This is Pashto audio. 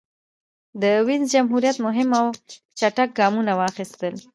د وینز جمهوریت مهم او چټک ګامونه واخیستل.